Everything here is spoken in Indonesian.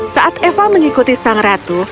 saat eva mengikuti sang ratu